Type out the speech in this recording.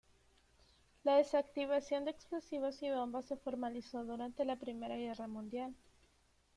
La desactivación de explosivos y bombas se formalizó durante la Primera Guerra Mundial.